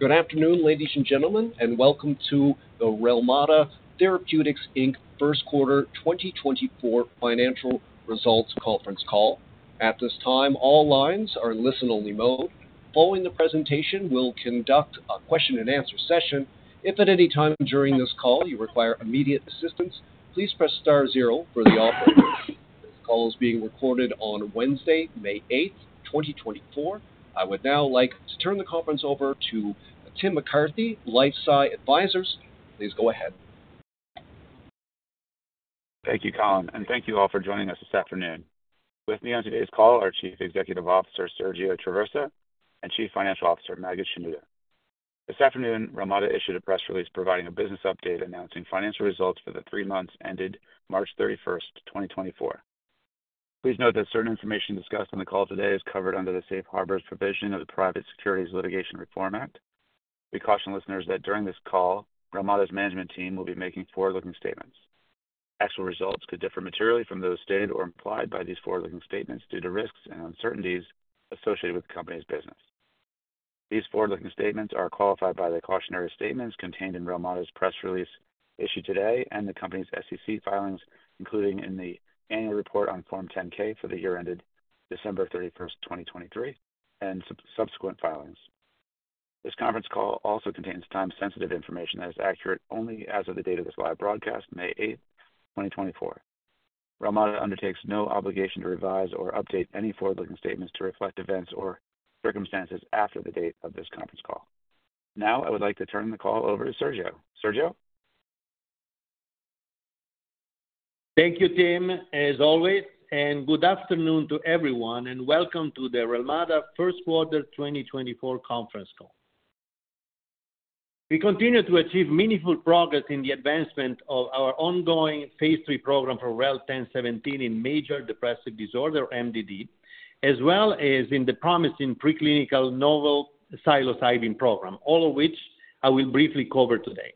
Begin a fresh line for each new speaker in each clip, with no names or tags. Good afternoon, ladies and gentlemen, and welcome to the Relmada Therapeutics Inc. first quarter 2024 financial results conference call. At this time, all lines are in listen-only mode. Following the presentation, we'll conduct a question-and-answer session. If at any time during this call you require immediate assistance, please press star zero for the operator. This call is being recorded on Wednesday, May 8th, 2024. I would now like to turn the conference over to Tim McCarthy, LifeSci Advisors. Please go ahead.
Thank you, Colin, and thank you all for joining us this afternoon. With me on today's call are Chief Executive Officer Sergio Traversa and Chief Financial Officer Maged Shenouda. This afternoon, Relmada issued a press release providing a business update announcing financial results for the three months ended March 31st, 2024. Please note that certain information discussed on the call today is covered under the Safe Harbors provision of the Private Securities Litigation Reform Act. We caution listeners that during this call, Relmada's management team will be making forward-looking statements. Actual results could differ materially from those stated or implied by these forward-looking statements due to risks and uncertainties associated with the company's business. These forward-looking statements are qualified by the cautionary statements contained in Relmada's press release issued today and the company's SEC filings, including in the annual report on Form 10-K for the year ended December 31st, 2023, and subsequent filings. This conference call also contains time-sensitive information that is accurate only as of the date of this live broadcast, May 8th, 2024. Relmada undertakes no obligation to revise or update any forward-looking statements to reflect events or circumstances after the date of this conference call. Now I would like to turn the call over to Sergio. Sergio?
Thank you, Tim, as always, and good afternoon to everyone, and welcome to the Relmada first quarter 2024 conference call. We continue to achieve meaningful progress in the advancement of our ongoing phase 3 program for REL-1017 in Major Depressive Disorder, MDD, as well as in the promising preclinical novel psilocybin program, all of which I will briefly cover today.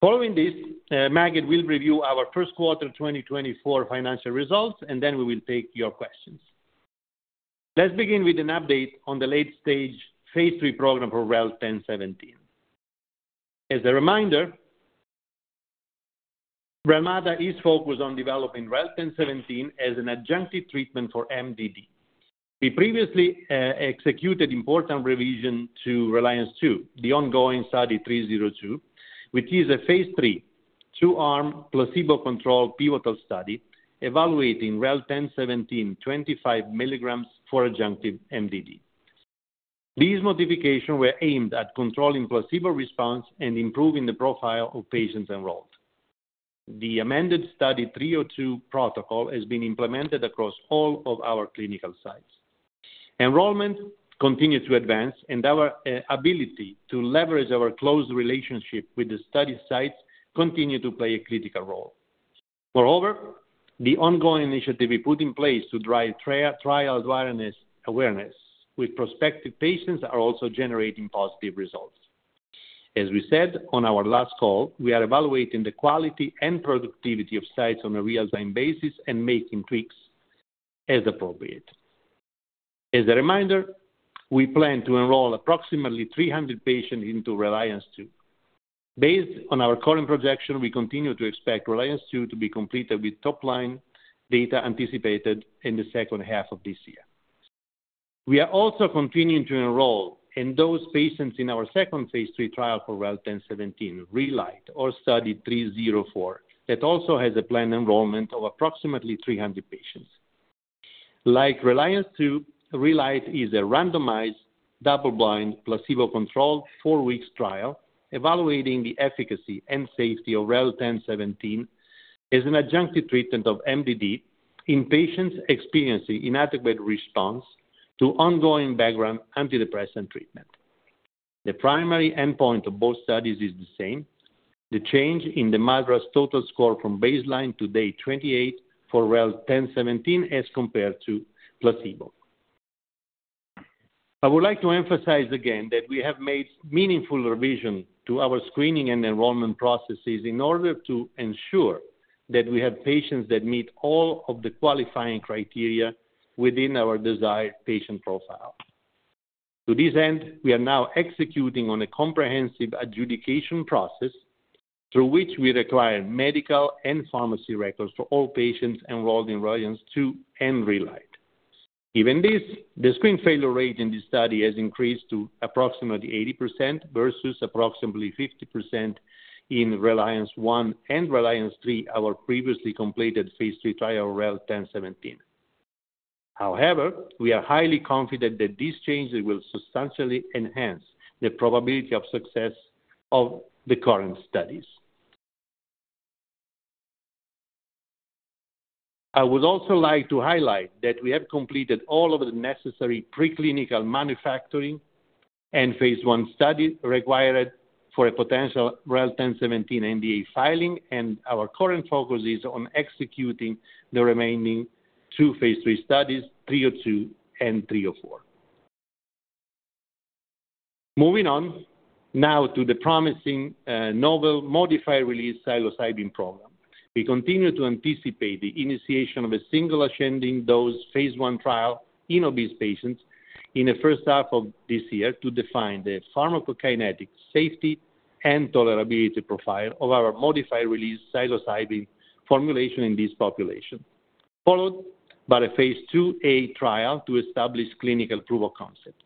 Following this, Maged will review our first quarter 2024 financial results, and then we will take your questions. Let's begin with an update on the late-stage phase 3 program for REL-1017. As a reminder, Relmada is focused on developing REL-1017 as an adjunctive treatment for MDD. We previously executed important revisions to Reliance II, the ongoing Study 302, which is a phase 3, two-arm, placebo-controlled pivotal study evaluating REL-1017 25 milligrams for adjunctive MDD. These modifications were aimed at controlling placebo response and improving the profile of patients enrolled. The amended Study 302 protocol has been implemented across all of our clinical sites. Enrollment continues to advance, and our ability to leverage our close relationship with the study sites continues to play a critical role. Moreover, the ongoing initiative we put in place to drive trial awareness with prospective patients is also generating positive results. As we said on our last call, we are evaluating the quality and productivity of sites on a real-time basis and making tweaks as appropriate. As a reminder, we plan to enroll approximately 300 patients into Reliance II. Based on our current projection, we continue to expect Reliance II to be completed with top-line data anticipated in the second half of this year. We are also continuing to enroll those patients in our second phase 3 trial for REL-1017, Relight, or Study 304 that also has a planned enrollment of approximately 300 patients. Like Reliance II, Relight is a randomized, double-blind, placebo-controlled four-week trial evaluating the efficacy and safety of REL-1017 as an adjunctive treatment of MDD in patients experiencing inadequate response to ongoing background antidepressant treatment. The primary endpoint of both studies is the same: the change in the MADRS total score from baseline to day 28 for REL-1017 as compared to placebo. I would like to emphasize again that we have made meaningful revisions to our screening and enrollment processes in order to ensure that we have patients that meet all of the qualifying criteria within our desired patient profile. To this end, we are now executing on a comprehensive adjudication process through which we require medical and pharmacy records for all patients enrolled in Reliance II and Relight. Given this, the screen failure rate in this study has increased to approximately 80% versus approximately 50% in Reliance I and Reliance III, our previously completed phase 3 trials of REL-1017. However, we are highly confident that these changes will substantially enhance the probability of success of the current studies. I would also like to highlight that we have completed all of the necessary preclinical manufacturing and phase 1 studies required for a potential REL-1017 NDA filing, and our current focus is on executing the remaining 2 phase 3 studies, 302 and 304. Moving on now to the promising novel modified release psilocybin program. We continue to anticipate the initiation of a single-ascending dose phase 1 trial in obese patients in the first half of this year to define the pharmacokinetic safety and tolerability profile of our modified release psilocybin formulation in this population, followed by a phase 2A trial to establish clinical proof of concept.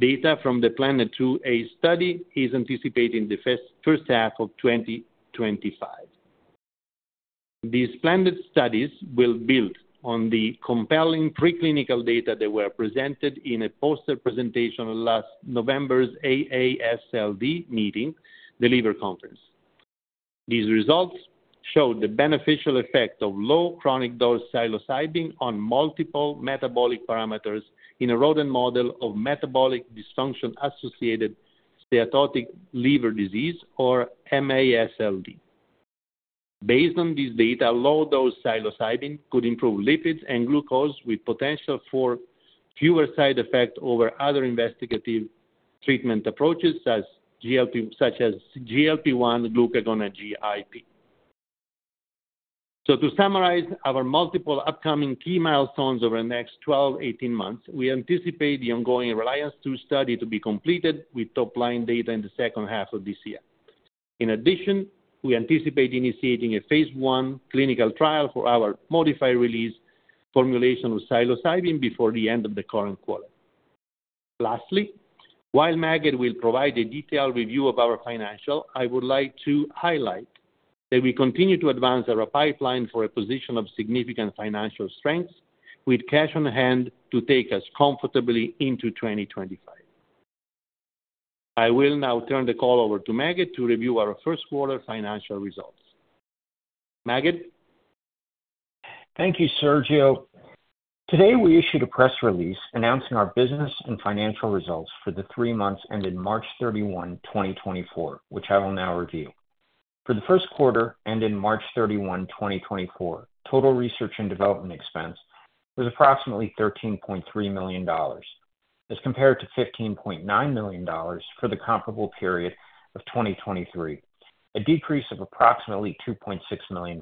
Data from the planned 2A study is anticipated in the first half of 2025. These planned studies will build on the compelling preclinical data that were presented in a poster presentation at last November's AASLD meeting, the liver conference. These results showed the beneficial effect of low chronic dose psilocybin on multiple metabolic parameters in a rodent model of metabolic dysfunction-associated steatotic liver disease, or MASLD. Based on this data, low-dose psilocybin could improve lipids and glucose with potential for fewer side effects over other investigative treatment approaches such as GLP-1 glucagon and GIP. So to summarize our multiple upcoming key milestones over the next 12-18 months, we anticipate the ongoing Reliance II study to be completed with top-line data in the second half of this year. In addition, we anticipate initiating a phase 1 clinical trial for our modified release formulation with psilocybin before the end of the current quarter. Lastly, while Maged will provide a detailed review of our financials, I would like to highlight that we continue to advance our pipeline for a position of significant financial strength with cash on hand to take us comfortably into 2025. I will now turn the call over to Maged to review our first quarter financial results. Maged?
Thank you, Sergio. Today, we issued a press release announcing our business and financial results for the three months ending March 31, 2024, which I will now review. For the first quarter ending March 31, 2024, total research and development expense was approximately $13.3 million as compared to $15.9 million for the comparable period of 2023, a decrease of approximately $2.6 million.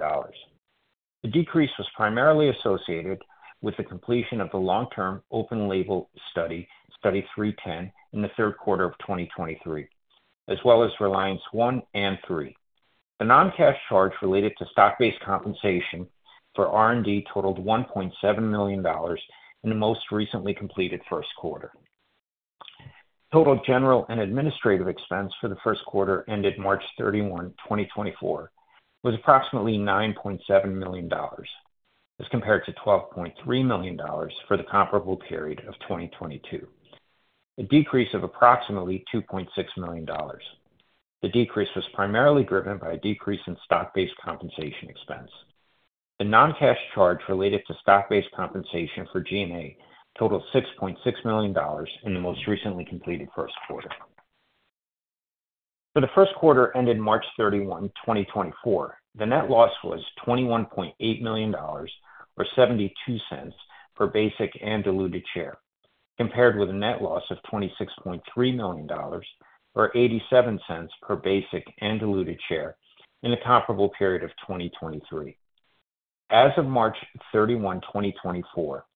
The decrease was primarily associated with the completion of the long-term open-label study, Study 310, in the third quarter of 2023, as well as Reliance I and III. The non-cash charge related to stock-based compensation for R&D totaled $1.7 million in the most recently completed first quarter. Total general and administrative expense for the first quarter ending March 31, 2024, was approximately $9.7 million as compared to $12.3 million for the comparable period of 2022, a decrease of approximately $2.6 million. The decrease was primarily driven by a decrease in stock-based compensation expense. The non-cash charge related to stock-based compensation for GAAP totaled $6.6 million in the most recently completed first quarter. For the first quarter ending March 31, 2024, the net loss was $21.8 million or $0.72 per basic and diluted share compared with a net loss of $26.3 million or $0.87 per basic and diluted share in the comparable period of 2023. As of March 31, 2024,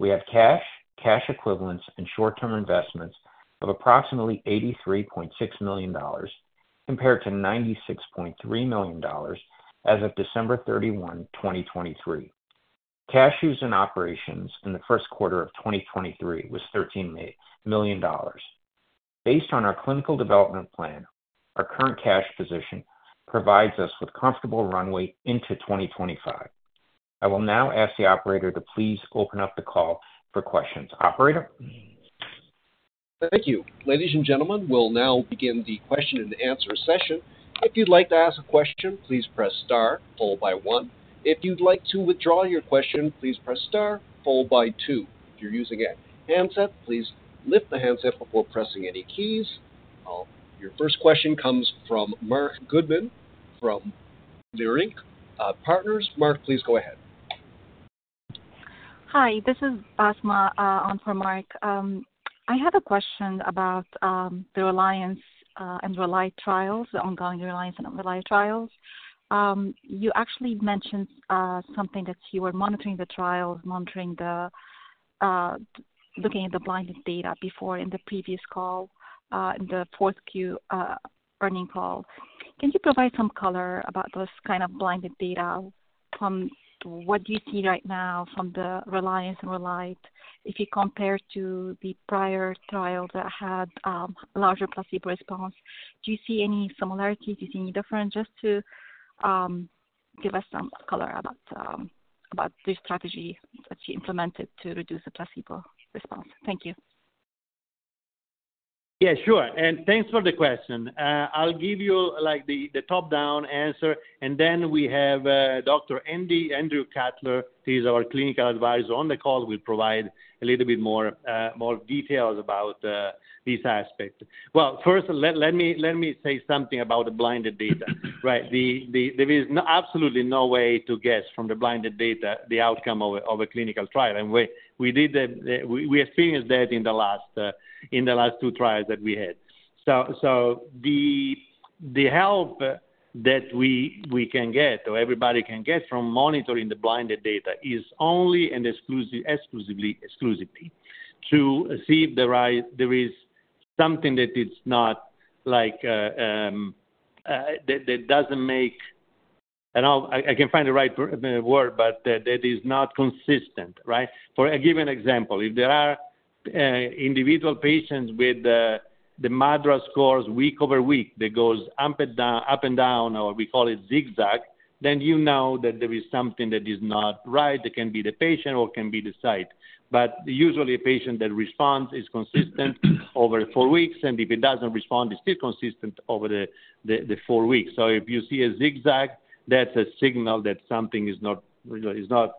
we have cash, cash equivalents, and short-term investments of approximately $83.6 million compared to $96.3 million as of December 31, 2023. Cash used in operations in the first quarter of 2023 was $13 million. Based on our clinical development plan, our current cash position provides us with comfortable runway into 2025. I will now ask the operator to please open up the call for questions. Operator?
Thank you. Ladies and gentlemen, we'll now begin the question-and-answer session. If you'd like to ask a question, please press star, followed by one. If you'd like to withdraw your question, please press star, followed by two. If you're using a handset, please lift the handset before pressing any keys. Your first question comes from Mark Goodman from Leerink Partners. Mark, please go ahead.
Hi, this is Basma for Mark. I had a question about the Reliance and Relight trials, the ongoing Reliance and Relight trials. You actually mentioned something that you were monitoring the trials, monitoring the looking at the blinded data before in the previous call, in the fourth Q earnings call. Can you provide some color about those kind of blinded data from what you see right now from the Reliance and Relight if you compare to the prior trial that had larger placebo response? Do you see any similarities? Do you see any difference? Just to give us some color about the strategy that you implemented to reduce the placebo response. Thank you.
Yeah, sure. And thanks for the question. I'll give you the top-down answer, and then we have Dr. Andrew Cutler. He's our clinical advisor on the call. We'll provide a little bit more details about this aspect. Well, first, let me say something about the blinded data, right? There is absolutely no way to guess from the blinded data the outcome of a clinical trial. And we experienced that in the last 2 trials that we had. So the help that we can get or everybody can get from monitoring the blinded data is only and exclusively to see if there is something that it's not that doesn't make—I can't find the right word, but that is not consistent, right? For a given example, if there are individual patients with the MADRS scores week over week that goes up and down, or we call it zigzag, then you know that there is something that is not right. It can be the patient or it can be the site. But usually, a patient that responds is consistent over four weeks, and if it doesn't respond, it's still consistent over the four weeks. So if you see a zigzag, that's a signal that something is not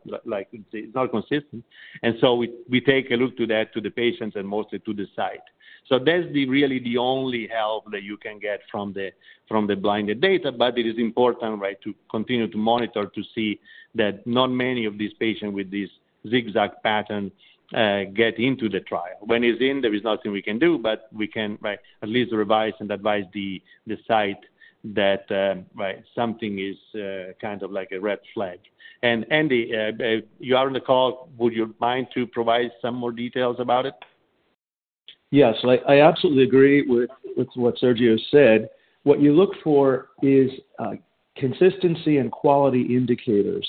consistent. And so we take a look to that, to the patients, and mostly to the site. So that's really the only help that you can get from the blinded data. But it is important, right, to continue to monitor to see that not many of these patients with this zigzag pattern get into the trial. When it's in, there is nothing we can do, but we can at least revise and advise the site that something is kind of like a red flag. And Andy, you are on the call. Would you mind to provide some more details about it?
Yes. I absolutely agree with what Sergio said. What you look for is consistency and quality indicators.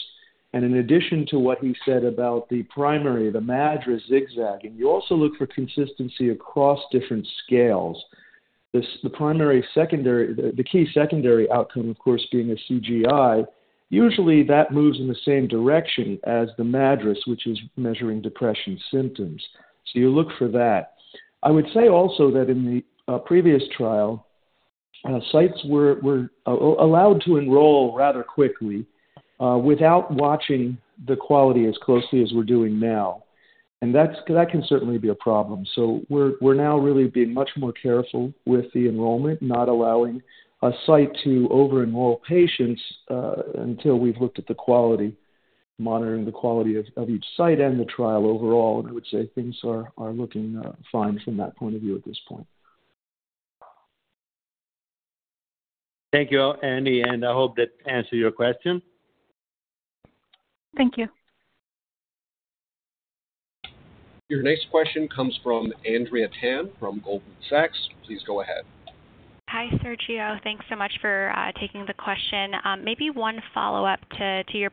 In addition to what he said about the primary, the MADRS zigzagging, you also look for consistency across different scales. The key secondary outcome, of course, being a CGI, usually that moves in the same direction as the MADRS, which is measuring depression symptoms. So you look for that. I would say also that in the previous trial, sites were allowed to enroll rather quickly without watching the quality as closely as we're doing now. And that can certainly be a problem. So we're now really being much more careful with the enrollment, not allowing a site to over-enroll patients until we've looked at the quality, monitoring the quality of each site and the trial overall. And I would say things are looking fine from that point of view at this point.
Thank you, And. I hope that answered your question.
Thank you.
Your next question comes from Andrea Tan from Goldman Sachs. Please go ahead.
Hi, Sergio. Thanks so much for taking the question. Maybe one follow-up to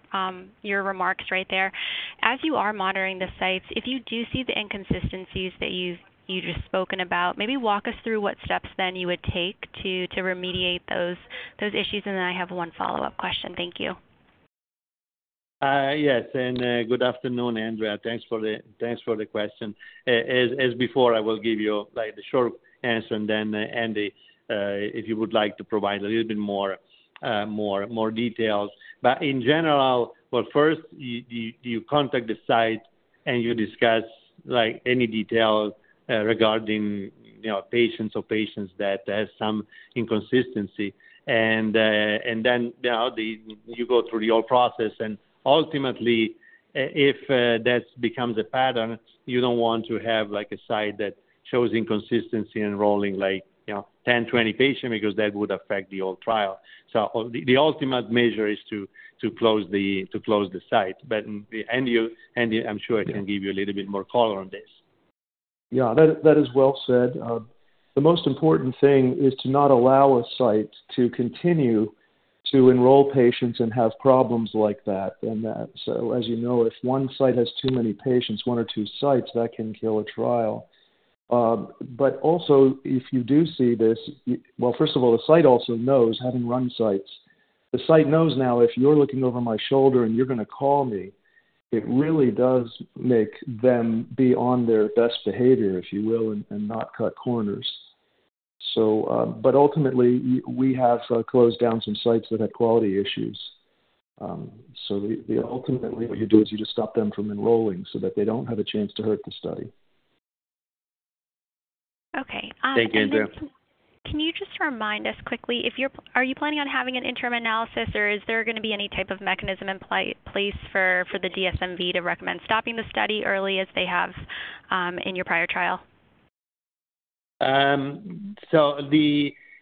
your remarks right there. As you are monitoring the sites, if you do see the inconsistencies that you've just spoken about, maybe walk us through what steps then you would take to remediate those issues. And then I have 1 follow-up question. Thank you.
Yes. Good afternoon, Andrea. Thanks for the question. As before, I will give you the short answer, and then Andy, if you would like to provide a little bit more details. In general, well, first, do you contact the site and you discuss any details regarding patients or patients that have some inconsistency? Then you go through the whole process. Ultimately, if that becomes a pattern, you don't want to have a site that shows inconsistency enrolling 10, 20 patients because that would affect the whole trial. The ultimate measure is to close the site. Andy, I'm sure I can give you a little bit more color on this.
Yeah, that is well said. The most important thing is to not allow a site to continue to enroll patients and have problems like that. And so, as you know, if 1 site has too many patients, 1 or 2 sites, that can kill a trial. But also, if you do see this well, first of all, the site also knows, having run sites, the site knows now if you're looking over my shoulder and you're going to call me, it really does make them be on their best behavior, if you will, and not cut corners. But ultimately, we have closed down some sites that had quality issues. So ultimately, what you do is you just stop them from enrolling so that they don't have a chance to hurt the study.
Okay.
Thank you, Andrea.
Andy, can you just remind us quickly, are you planning on having an interim analysis, or is there going to be any type of mechanism in place for the DMC to recommend stopping the study early as they have in your prior trial?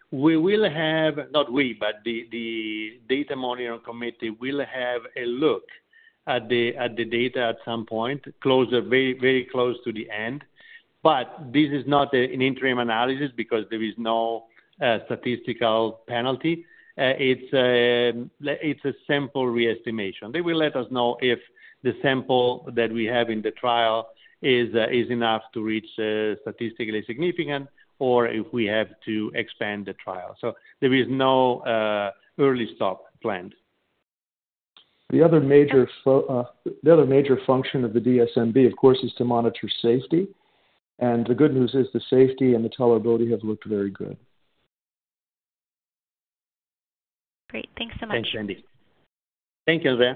We will have not we, but the data monitoring committee will have a look at the data at some point, very close to the end. But this is not an interim analysis because there is no statistical penalty. It's a sample reestimation. They will let us know if the sample that we have in the trial is enough to reach statistically significant or if we have to expand the trial. There is no early stop planned.
The other major function of the DMC, of course, is to monitor safety. The good news is the safety and the tolerability have looked very good. Great. Thanks so much.
Thanks, And Thank you, Andrea.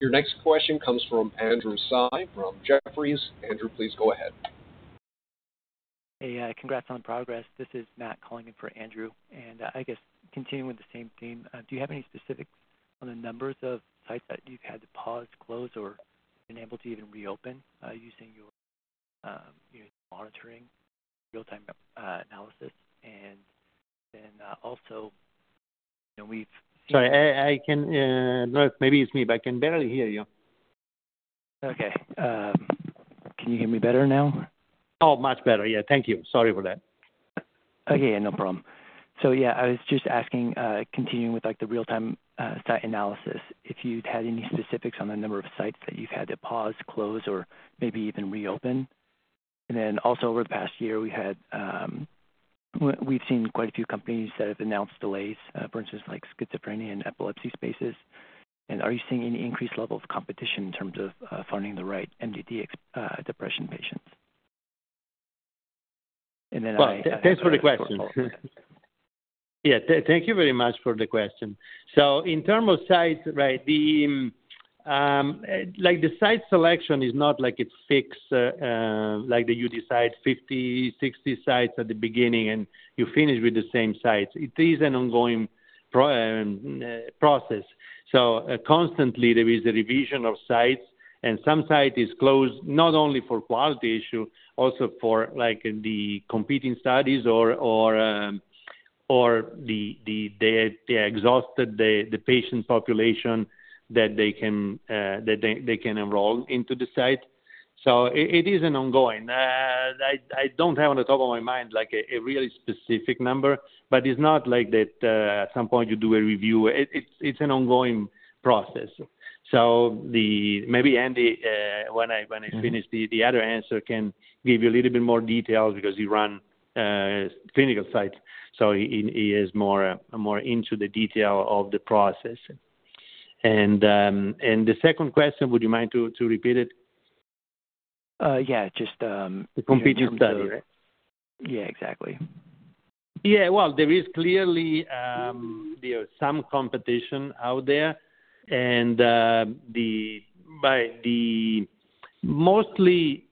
Your next question comes from Andrew Tsai from Jefferies. Andrew, please go ahead.
Hey, congrats on the progress. This is Matt calling in for Andrew. And I guess continuing with the same theme, do you have any specifics on the numbers of sites that you've had to pause, close, or been able to even reopen using your monitoring, real-time analysis? And then also, we've seen.
Sorry. No, maybe it's me, but I can barely hear you.
Okay. Can you hear me better now?
Oh, much better. Yeah. Thank you. Sorry for that.
Okay. Yeah, no problem. So yeah, I was just asking, continuing with the real-time site analysis, if you'd had any specifics on the number of sites that you've had to pause, close, or maybe even reopen? And then also, over the past year, we've seen quite a few companies that have announced delays, for instance, schizophrenia and epilepsy spaces. And are you seeing any increased level of competition in terms of funding the right MDD depression patients? And then I.
Well, thanks for the question. Yeah. Thank you very much for the question. So in terms of sites, right, the site selection is not like a fix that you decide 50, 60 sites at the beginning, and you finish with the same sites. It is an ongoing process. So constantly, there is a revision of sites. And some site is closed not only for quality issue, also for the competing studies or they exhausted the patient population that they can enroll into the site. So it is an ongoing. I don't have on the top of my mind a really specific number, but it's not like that at some point you do a review. It's an ongoing process. So maybe Andy, when I finish, the other answer can give you a little bit more details because he runs clinical sites. So he is more into the detail of the process. The second question, would you mind to repeat it?
Yeah. Just the competing study.
The competing study, right?
Yeah, exactly.
Yeah. Well, there is clearly some competition out there. And mostly,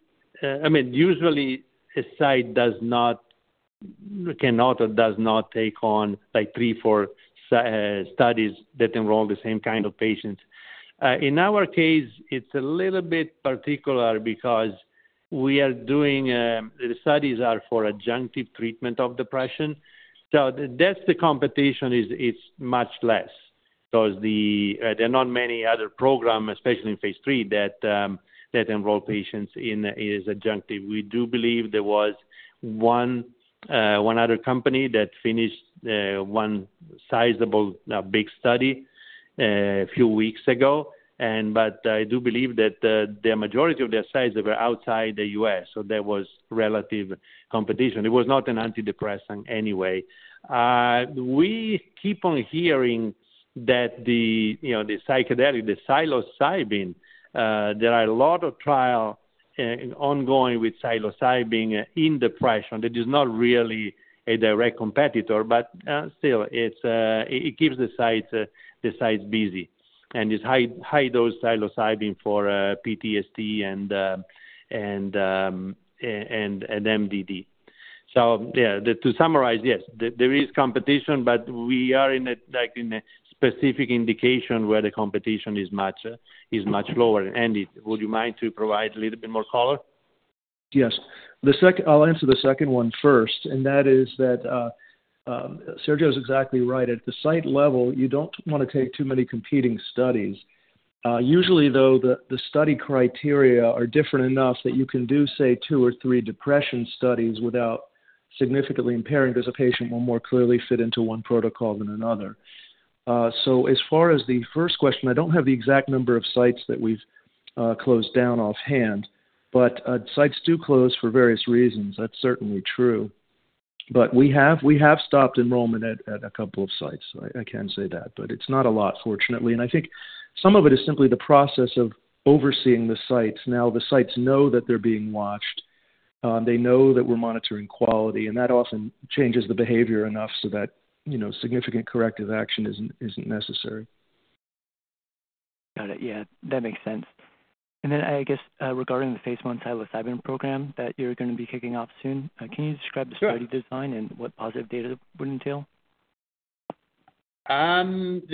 I mean, usually, a site cannot or does not take on 3, 4 studies that enroll the same kind of patients. In our case, it's a little bit particular because we are doing the studies are for adjunctive treatment of depression. So that's the competition. It's much less because there are not many other programs, especially in phase 3, that enroll patients in adjunctive. We do believe there was 1 other company that finished 1sizable, big study a few weeks ago. But I do believe that the majority of their sites were outside the U.S. So there was relative competition. It was not an antidepressant anyway. We keep on hearing that the psilocybin, there are a lot of trials ongoing with psilocybin in depression. That is not really a direct competitor, but still, it keeps the sites busy and is high-dose psilocybin for PTSD and MDD. So yeah, to summarize, yes, there is competition, but we are in a specific indication where the competition is much lower. Andy, would you mind to provide a little bit more color?
Yes. I'll answer the 2nd one first. And that is that Sergio is exactly right. At the site level, you don't want to take too many competing studies. Usually, though, the study criteria are different enough that you can do, say, two or three depression studies without significantly impairing because a patient will more clearly fit into 1 protocol than another. So as far as the first question, I don't have the exact number of sites that we've closed down offhand. But sites do close for various reasons. That's certainly true. But we have stopped enrollment at a couple of sites. I can say that. But it's not a lot, fortunately. And I think some of it is simply the process of overseeing the sites. Now, the sites know that they're being watched. They know that we're monitoring quality. That often changes the behavior enough so that significant corrective action isn't necessary.
Got it. Yeah. That makes sense. And then I guess regarding the phase 1 Psilocybin program that you're going to be kicking off soon, can you describe the study design and what positive data would entail?
Yes.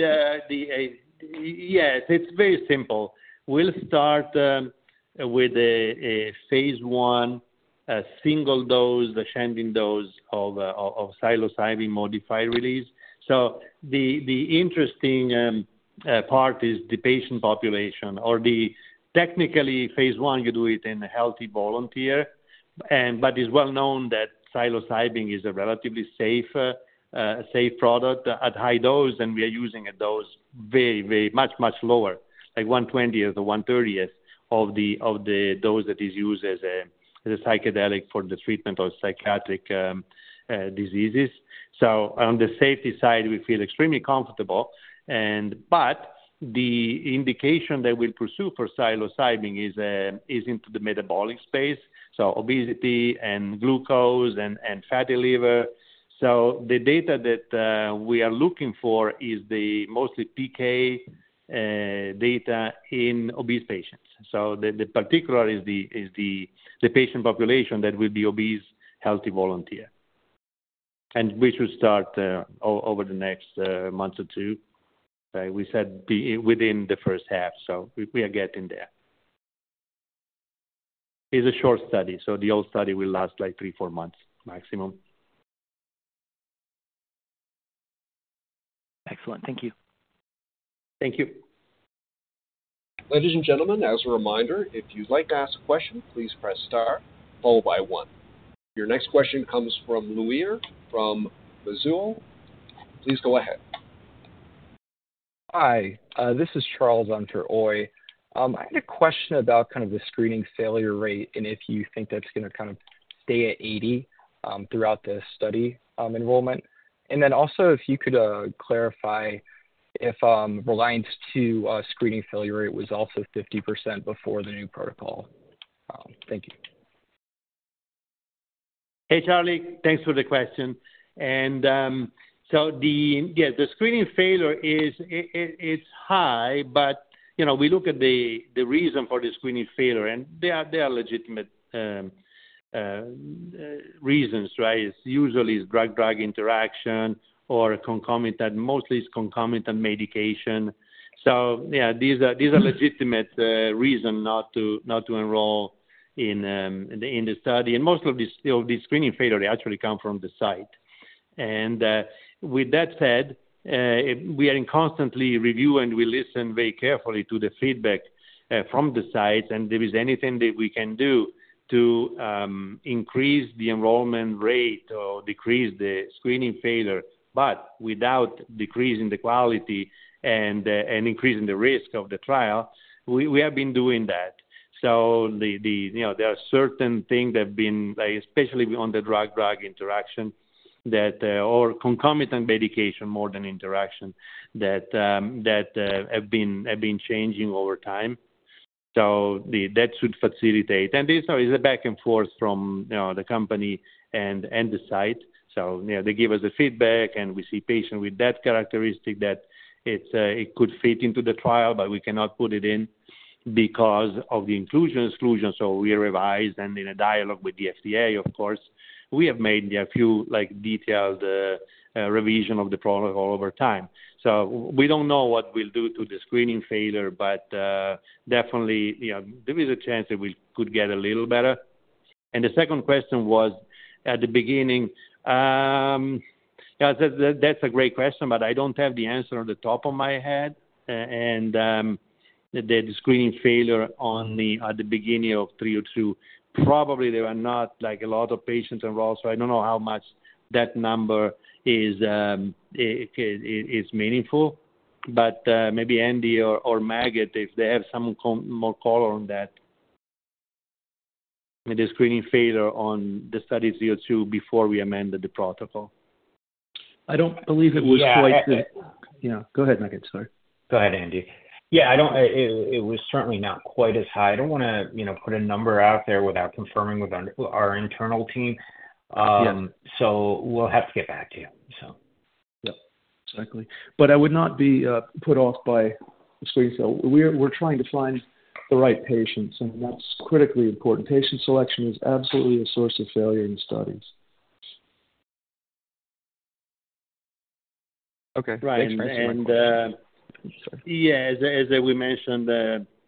It's very simple. We'll start with a Phase 1, a single dose, the starting dose of Psilocybin modified release. So the interesting part is the patient population. Or technically, Phase 1, you do it in a healthy volunteer. But it's well known that Psilocybin is a relatively safe product at high dose, and we are using a dose very, very much, much lower, like 1/20th or 1/30th of the dose that is used as a psychedelic for the treatment of psychiatric diseases. So on the safety side, we feel extremely comfortable. But the indication that we'll pursue for Psilocybin is into the metabolic space, so obesity and glucose and fatty liver. So the data that we are looking for is mostly PK data in obese patients. The particular is the patient population that will be obese healthy volunteers, and which we should start over the next month or 2. We said within the first half. So we are getting there. It's a short study. So the whole study will last like 3-4 months maximum.
Excellent. Thank you.
Thank you.
Ladies and gentlemen, as a reminder, if you'd like to ask a question, please press star, followed by 1. Your next question comes from Louir from Mizuho. Please go ahead.
Hi. This is Charles for Louir. I had a question about kind of the screening failure rate and if you think that's going to kind of stay at 80% throughout the study enrollment. And then also, if you could clarify if Reliance II screening failure rate was also 50% before the new protocol. Thank you.
Hey, Charlie. Thanks for the question. And so yeah, the screening failure, it's high, but we look at the reason for the screening failure. And there are legitimate reasons, right? Usually, it's drug-drug interaction or concomitant mostly it's concomitant medication. So yeah, these are legitimate reasons not to enroll in the study. And most of the screening failure actually come from the site. And with that said, we are in constant review, and we listen very carefully to the feedback from the sites. And there is anything that we can do to increase the enrollment rate or decrease the screening failure, but without decreasing the quality and increasing the risk of the trial, we have been doing that. So there are certain things that have been, especially on the drug-drug interaction or concomitant medication more than interaction, that have been changing over time. So that should facilitate. This is a back and forth from the company and the site. So yeah, they give us the feedback, and we see patients with that characteristic that it could fit into the trial, but we cannot put it in because of the inclusion and exclusion. So we revised. And in a dialogue with the FDA, of course, we have made a few detailed revisions of the protocol over time. So we don't know what we'll do to the screening failure, but definitely, there is a chance that we could get a little better. And the second question was at the beginning. Yeah, that's a great question, but I don't have the answer on the top of my head. And the screening failure at the beginning of 3 or 2, probably there are not a lot of patients enrolled. So I don't know how much that number is meaningful. But maybe Andy or Maged, if they have some more color on that, the screening failure on the Study 302 before we amended the protocol.
I don't believe it was quite the yeah. Go ahead, Maged. Sorry.
Go ahead, Andy. Yeah, it was certainly not quite as high. I don't want to put a number out there without confirming with our internal team. So we'll have to get back to you, so.
Yep. Exactly. But I would not be put off by screening failure. We're trying to find the right patients, and that's critically important. Patient selection is absolutely a source of failure in studies.
Okay. Thanks,. Right. And sorry. Yeah. As we mentioned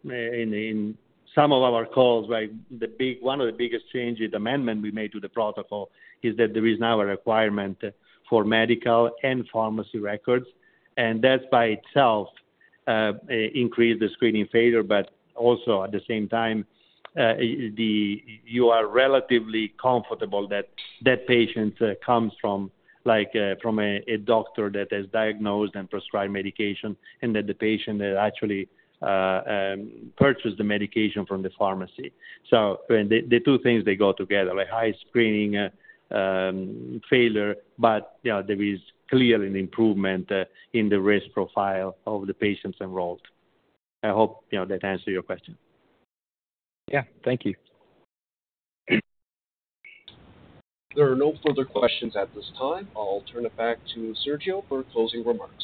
in some of our calls, right, 1 of the biggest changes, the amendment we made to the protocol is that there is now a requirement for medical and pharmacy records. And that's by itself increased the screening failure. But also, at the same time, you are relatively comfortable that that patient comes from a doctor that has diagnosed and prescribed medication and that the patient actually purchased the medication from the pharmacy. So the 2 things, they go together, high screening failure, but there is clearly an improvement in the risk profile of the patients enrolled. I hope that answers your question.
Yeah. Thank you.
There are no further questions at this time. I'll turn it back to Sergio for closing remarks.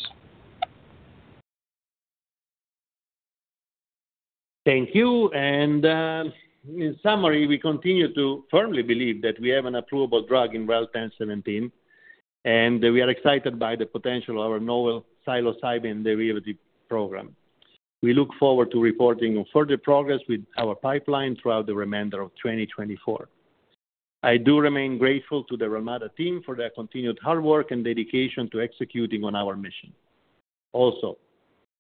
Thank you. In summary, we continue to firmly believe that we have an approvable drug in REL-1017, and we are excited by the potential of our novel Psilocybin derivative program. We look forward to reporting on further progress with our pipeline throughout the remainder of 2024. I do remain grateful to the Relmada team for their continued hard work and dedication to executing on our mission. Also,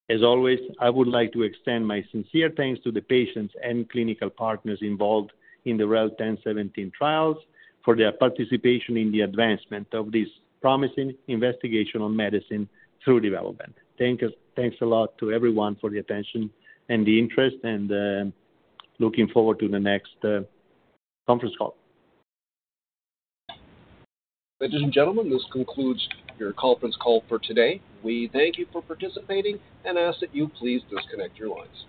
as always, I would like to extend my sincere thanks to the patients and clinical partners involved in the REL-1017 trials for their participation in the advancement of this promising investigation on medicine through development. Thanks a lot to everyone for the attention and the interest, and looking forward to the next conference call.
Ladies and gentlemen, this concludes your conference call for today. We thank you for participating and ask that you please disconnect your lines.